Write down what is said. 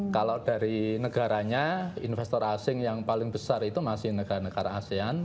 kalau dari negaranya investor asing yang paling besar itu masih negara negara asean